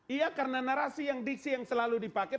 iya karena narasi yang selalu dipakai